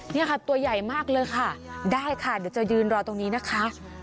นี่ค่ะตัวใหญ่มากเลยค่ะได้ค่ะเดี๋ยวจะยืนรอตรงนี้นะคะ